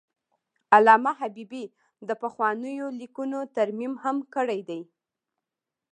علامه حبیبي د پخوانیو لیکنو ترمیم هم کړی دی.